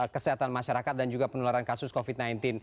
kesehatan masyarakat dan juga penularan kasus covid sembilan belas